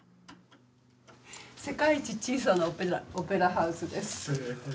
世界一小さなオペラハウスです。